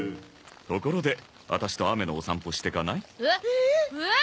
ところでアタシと雨のお散歩してかない？ええ！？おっ？